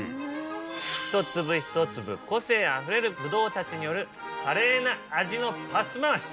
一粒一粒個性あふれるブドウたちによる華麗な味のパス回し。